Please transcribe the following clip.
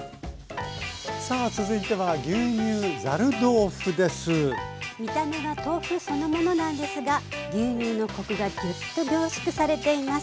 さあ続いては見た目は豆腐そのものなんですが牛乳のコクがぎゅっと凝縮されています。